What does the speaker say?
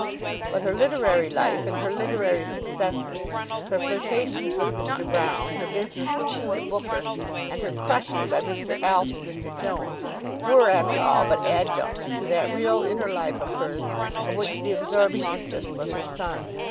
But her literary life, and her literary successes, her flirtations with Mr. Broune, her business with Mr. Booker, and her crushing by Mr. Alf's Mr. Jones, were after all but adjuncts to that real inner life of hers of which the absorbing interest was her son.